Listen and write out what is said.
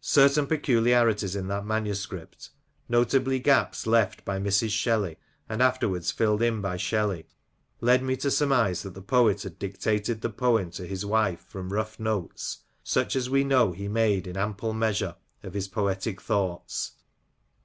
Certain peculiarities in that manuscript, notably gaps left by Mrs. Shelley and afterwards filled in by Shelley, led me to surmise that the poet had dictated the poem to his wife from rough notes, such as we know he made, in ample measure, of his poetic thoughts.